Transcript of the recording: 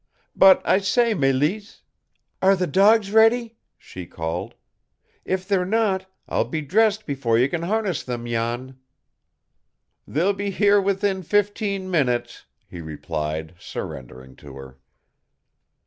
"But I say, Mélisse " "Are the dogs ready?" she called. "If they're not, I'll be dressed before you can harness them, Jan." "They'll be here within fifteen minutes," he replied, surrendering to her.